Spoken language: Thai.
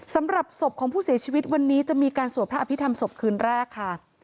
สำหรับศพของผู้เสียชีวิตวันนี้จะมีการสวดพระอภิษฐรรมศพคืนแรกค่ะ